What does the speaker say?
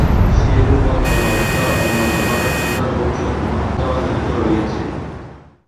সেইরূপ বর্তমান অবস্থার অবনত ভাবের ভিতর ভবিষ্যৎ মহত্ত্ব নিহিত রহিয়াছে।